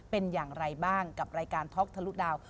เป็นอย่างไรบ้างกับรายการท็อกทะลุดาว